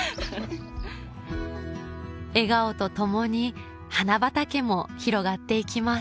笑顔と共に花畑も広がって行きます